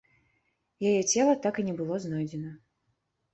Яе цела так і не было знойдзена.